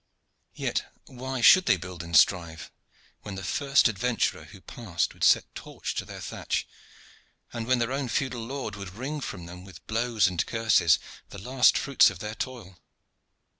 Yet why should they build and strive, when the first adventurer who passed would set torch to their thatch, and when their own feudal lord would wring from them with blows and curses the last fruits of their toil?